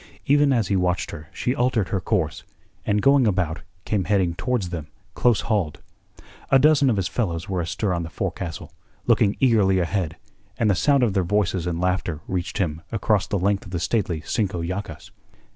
Even as he watched her she altered her course, and going about came heading towards them, close hauled. A dozen of his fellows were astir on the forecastle, looking eagerly ahead, and the sound of their voices and laughter reached him across the length of the stately Cinco Llagas.